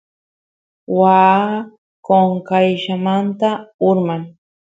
waa qonqayllamanta urman